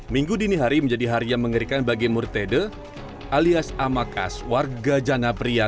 minggu dini hari menjadi hari yang mengerikan bagi murtede alias amakas warga jana pria